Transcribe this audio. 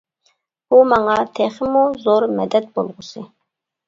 بۇ ماڭا تېخىمۇ زور مەدەت بولغۇسى.